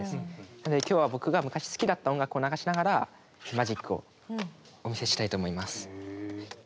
なので今日は僕が昔好きだった音楽を流しながらマジックをお見せしたいと思います。